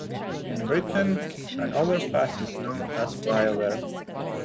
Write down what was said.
In Britain, an overpass is known as a flyover